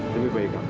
lebih baik kak